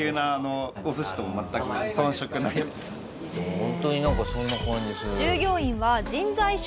「ホントになんかそんな感じする」